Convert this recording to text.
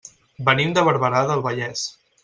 Venim de Barberà del Vallès.